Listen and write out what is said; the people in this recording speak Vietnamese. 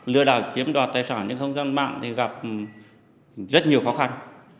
lừa đảo chiếm đoạt tài sản trên không gian mạng thì gặp rất nhiều khó khăn